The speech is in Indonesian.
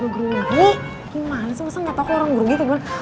gimana sih masa gak tau kok orang grogi kayak gimana